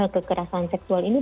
kekerasan seksual ini